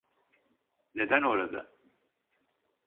Neden orada?